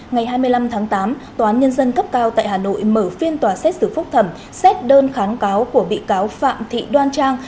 ngày hai mươi năm tháng tám tòa án nhân dân cấp cao tại hà nội mở phiên tòa xét xử phúc thẩm xét đơn kháng cáo của bị cáo phạm thị đoan trang